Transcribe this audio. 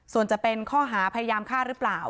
ส่วนจะเป็นข้อหาพยายามฆ่าหรือเปล่า